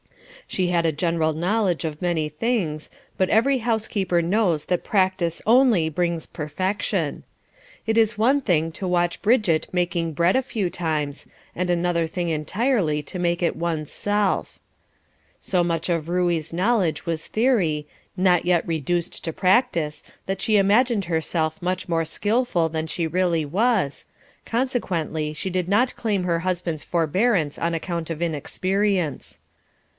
She had a general knowledge of many things, but every housekeeper knows that practice only brings perfection. It is one thing to watch Bridget making bread a few times, and another thing entirely to make it one's self. So much of Ruey's knowledge was theory, not yet reduced to practice, that she imagined herself much more skilful than she really was, consequently she did not claim her husband's forbearance on account of inexperience.